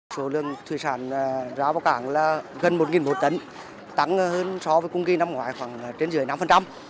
số lượng thủy sản ra vào cảng là gần một tấn tăng hơn so với cung kỳ năm ngoái khoảng trên giữa năm